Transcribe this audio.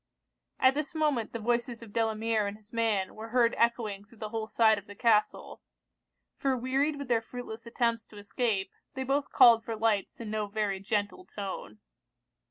At this moment the voices of Delamere and his man were heard echoing through the whole side of the castle; for wearied with their fruitless attempts to escape, they both called for lights in no very gentle tone.